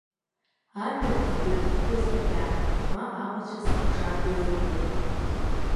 Ажәҩан мдыдындаз макьана, ма амацәыс мыкшандаз уажәы.